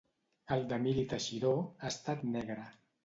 El d'Emili Teixidor ha estat negre.